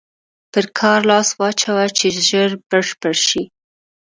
پر کار لاس واچوه چې ژر بشپړ شي.